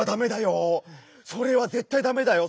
それはダメだよ。